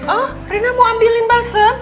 oh rina mau ambilin balsem